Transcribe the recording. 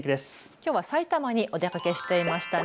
きょうはさいたまにお出かけしていましたね。